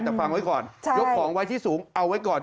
แต่ฟังไว้ก่อนยกของไว้ที่สูงเอาไว้ก่อน